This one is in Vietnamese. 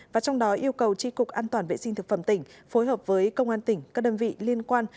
và trong đó yêu cầu tri cục an toàn vệ sinh thực phẩm tỉnh phối hợp với công an tỉnh các đơn vị liên quan